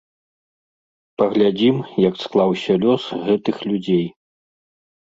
Паглядзім, як склаўся лёс гэтых людзей.